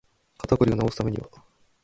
肩こりを治すためには